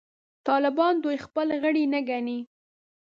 طالبان دوی خپل غړي نه ګڼي.